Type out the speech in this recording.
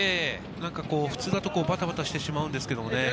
普通だとバタバタしてしまうんですけどね。